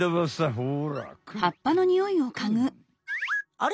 あれ？